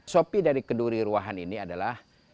sopi dari keduri ruahan ini adalah